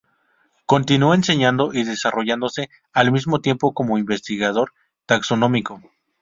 Continuó enseñando y desarrollándose al mismo tiempo como investigador taxonómico.